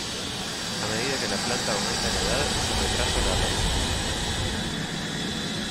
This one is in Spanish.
A medida que la planta aumenta en edad se retrasa la aparición de síntomas.